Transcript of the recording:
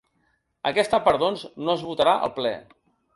Aquesta part, doncs, no es votarà al ple.